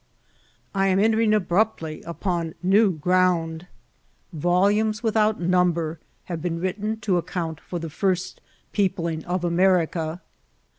I am entering abruptly upon new ground. Volumes without number have been written to account for the first peopling of America.